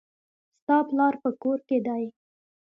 ستا پلار په کور کښي دئ.